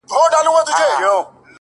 • نن په څشي تودوې ساړه رګونه,